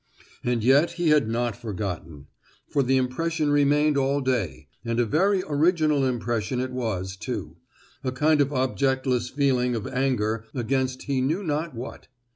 And yet he had not forgotten; for the impression remained all day, and a very original impression it was, too,—a kind of objectless feeling of anger against he knew not what.